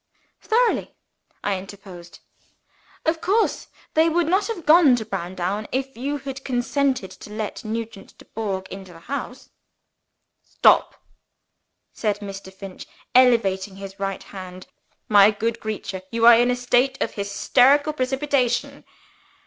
"Thoroughly," I interposed. "Of course, they would not have gone to Browndown, if you had consented to let Nugent Dubourg into the house." "Stop!" said Mr. Finch, elevating his right hand. "My good creature, you are in a state of hysterical precipitation.